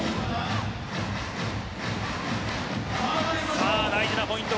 さあ、大事なポイント